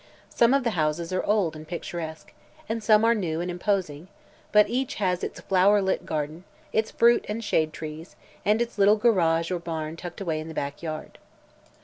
Some of the houses are old and picturesque, and some are new and imposing, but each has its flower lit garden, its fruit and shade trees and its little garage or barn tucked away in the back yard.